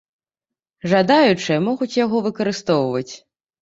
Жадаючыя могуць яго выкарыстоўваць.